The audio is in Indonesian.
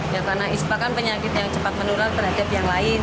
ya karena ispa kan penyakit yang cepat menular terhadap yang lain